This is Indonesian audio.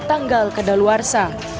tanggal ke dalwarsa